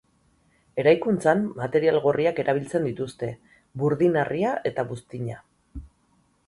Eraikuntzan material gorriak erabiltzen dituzte: burdin-harria eta buztina.